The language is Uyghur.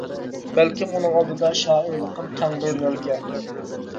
بەلكىم ئۇنىڭ ئالدىدا شائىرلىقىم تەڭدۇر نۆلگە.